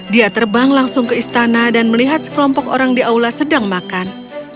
dia terbang langsung ke istana dan melihat sekelompok orang di aula sedang makan